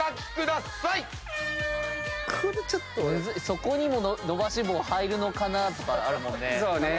そこにも伸ばし棒入るのかなとかあるもんね。